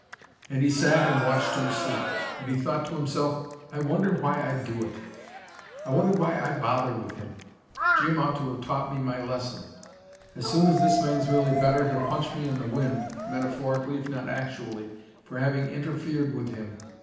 And he sat and watched him sleep. And he thought to himself: "I wonder why I do it. I wonder why I bother with him.... Jim ought to have taught me my lesson. As soon as this man's really better he'll punch me in the wind, metaphorically if not actually, for having interfered with him.